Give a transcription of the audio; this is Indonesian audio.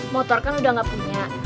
motor kan udah gak punya